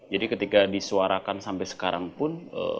jadi ketika disuarakan sampai sekarang pun